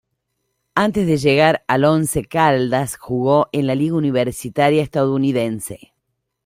Antes de llegar al Once Caldas jugó en la liga universitaria estadounidense.